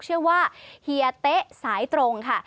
ชื่อว่าเฮียเต๊ะสายตรงค่ะ